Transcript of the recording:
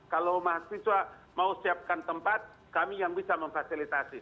kalau mahasiswa mau siapkan tempat kami yang bisa memfasilitasi